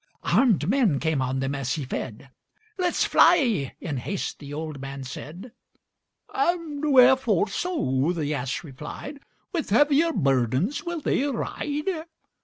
Arm'd men came on them as he fed: "Let's fly," in haste the old man said. "And wherefore so?" the ass replied; "With heavier burdens will they ride?"